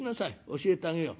教えてあげよう。